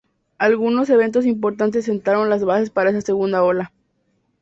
Algunos eventos importantes sentaron las bases para esta segunda ola.